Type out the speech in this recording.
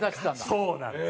そうなんです。